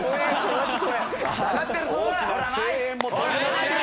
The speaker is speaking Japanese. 下がってるぞ！